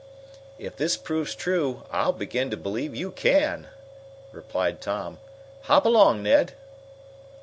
"If this proves true, I'll begin to believe you can," replied Tom. "Hop along, Ned!"